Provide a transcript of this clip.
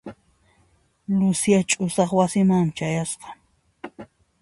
Lucia ch'usaq wasimanmi chayasqa.